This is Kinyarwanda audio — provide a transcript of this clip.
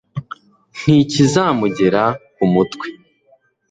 ntikizamugera ku mutwe